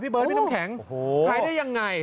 เบิร์ดพี่น้ำแข็งขายได้ยังไง